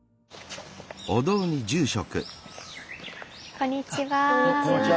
こんにちは。